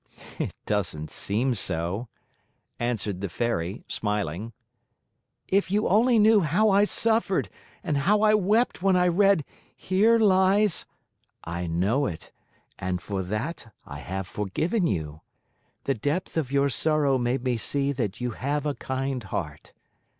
"It doesn't seem so," answered the Fairy, smiling. "If you only knew how I suffered and how I wept when I read 'Here lies '" "I know it, and for that I have forgiven you. The depth of your sorrow made me see that you have a kind heart.